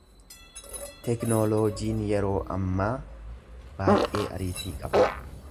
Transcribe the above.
Teknooloojiin yeroo ammaa baay'ee ariitii qaba.